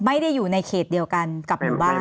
ไม่ได้อยู่ในเขตเดียวกันกับหมู่บ้าน